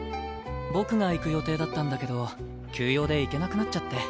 僕が行く予定だったんだけど急用で行けなくなっちゃって。